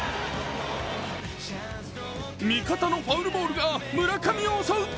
味方のファウルボールが村上を襲う。